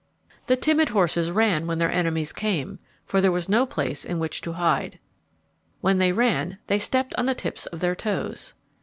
The timid horses ran when their enemies came, for there was no place in which to hide. When they ran they stepped on the tips of their toes.